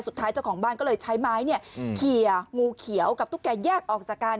เจ้าของบ้านก็เลยใช้ไม้เนี่ยเขียนูเขียวกับตุ๊กแกแยกออกจากกัน